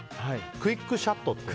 クイックシャット。